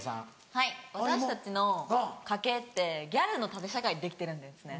はい私たちの家系ってギャルの縦社会でできてるんですね。